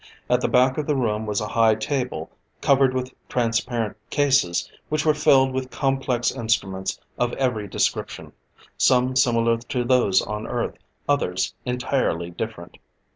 At the back of the room was a high table, covered with transparent cases which were filled with complex instruments of every description, some similar to those on Earth; others entirely different.